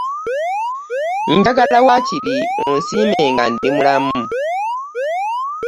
Njagala waakiri onsiime nga ndi mulamu.